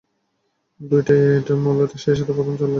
দুইটাই, এটার মলাট, সেইসাথে প্রথম চার লাইন।